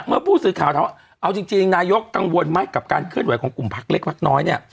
เมื่อผู้สื่อข่าวถามว่าเอาจริงนายกกังวลไหมกับการเคลื่อนไหวของกลุ่มพักเล็กพักน้อยเนี่ย